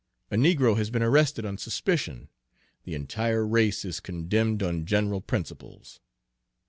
A negro has been arrested on suspicion, the entire race is condemned on general principles."